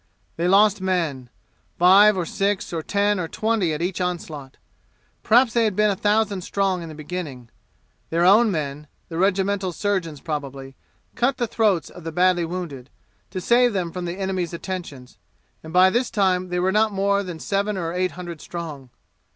They lost men five or six or ten or twenty at each onslaught. Perhaps they had been a thousand strong in the beginning. Their own men the regimental surgeons probably cut the throats of the badly wounded, to save them from the enemy's attentions; and by this time they were not more than seven or eight hundred strong.